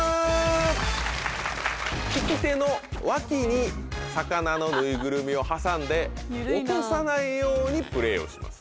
利き手の脇に魚のぬいぐるみを挟んで落とさないようにプレーをします。